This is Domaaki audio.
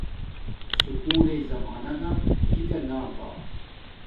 سکُول لݵ زمانانا فکر نا کا